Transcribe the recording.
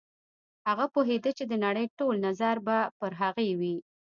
هغه پوهېده چې د نړۍ ټول نظر به پر هغې وي.